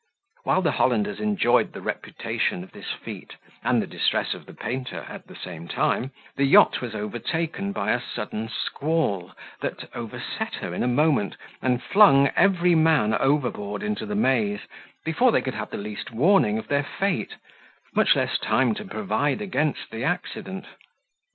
While the Hollanders enjoyed the reputation of this feat, and the distress of the painter, at the same time, the yacht was overtaken by a sudden squall, that overset her in a moment, and flung every man overboard into the Maese, before they could have the least warning of their fate, much less time to provide against the accident.